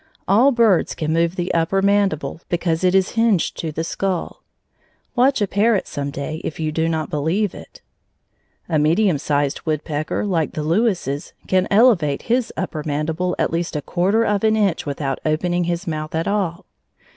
All birds can move the upper mandible, because it is hinged to the skull. (Watch a parrot some day, if you do not believe it.) A medium sized woodpecker, like the Lewis's, can elevate his upper mandible at least a quarter of an inch without opening his mouth at all.